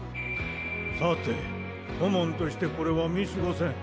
さて顧問としてこれは見過ごせん。